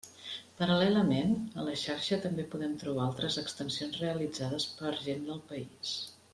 Paral·lelament, a la xarxa també podem trobar altres extensions realitzades per gent del país.